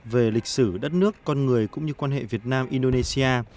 về lịch sử đất nước con người cũng như quan hệ việt nam indonesia